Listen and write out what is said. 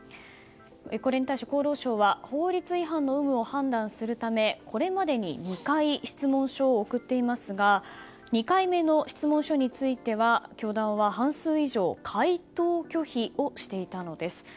これに対し厚労省は法律違反の有無を判断するため、これまでに２回質問書を送っていますが２回目の質問書については教団は、半数以上回答拒否をしていたのです。